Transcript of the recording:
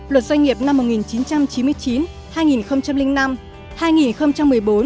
luật doanh nghiệp năm một nghìn chín trăm chín mươi chín hai nghìn năm hai nghìn một mươi bốn